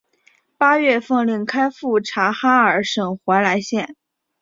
八月奉令开赴察哈尔省怀来县。